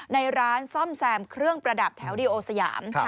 ในร้านซ่อมแซมเครื่องประดับแถวดีโอสยาม